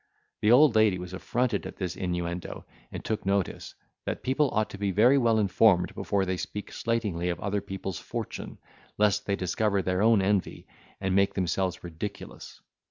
The old lady was affronted at this inuendo, and took notice, that people ought to be very well informed before they speak slightingly of other people's fortune, lest they discover their own envy, and make themselves ridiculous.